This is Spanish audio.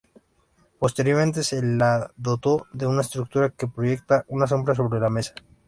Posteriormente, se la dotó de una estructura, que proyecta una sombra sobre la mesa.